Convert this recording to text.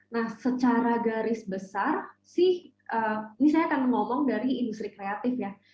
nah secara garis besar sih ini saya akan ngomong dari industri kreatif ya